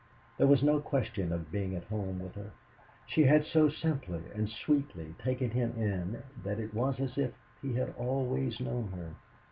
There was no question of being at home with her. She had so simply and sweetly taken him in that it was as if he had always known her.